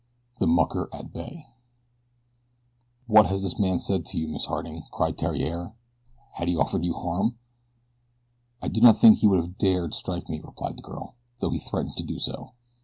THE MUCKER AT BAY "WHAT has this man said to you, Miss Harding?" cried Theriere. "Has he offered you harm?" "I do not think that he would have dared strike me," replied the girl, "though he threatened to do so.